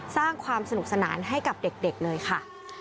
สร้างความสนุกสนานให้กับเด็กเลยค่ะ